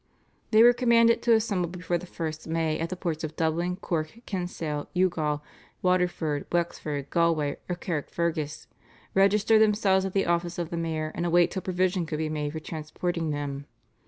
They were commanded to assemble before the 1st May at the ports of Dublin, Cork, Kinsale, Youghal, Waterford, Wexford, Galway, or Carrickfergus, register themselves at the office of the mayor, and await till provision could be made for transporting them.